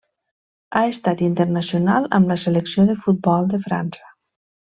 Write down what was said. Ha estat internacional amb la selecció de futbol de França.